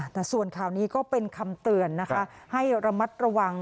แต่ส่วนข่าวนี้ก็เป็นคำเตือนนะคะให้ระมัดระวัง